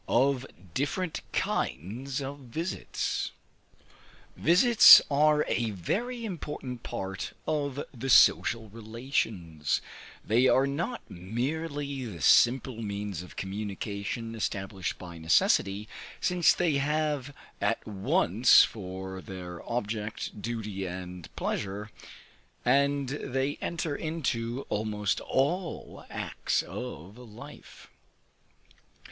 Of different Kinds of Visits. Visits are a very important part of the social relations; they are not merely the simple means of communication established by necessity, since they have at once for their object, duty and pleasure, and they enter into almost all the acts of life.